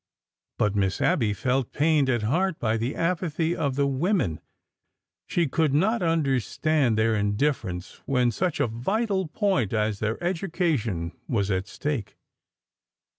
But Miss Abby felt pained at heart by the apathy of the women. She could not understand 78 ORDER NO. 11 their indifference when such a vital point as their educa tion was at stake.